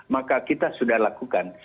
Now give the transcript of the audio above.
maka kita sudah lakukan